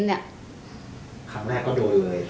ครั้งแรกก็โดนเลย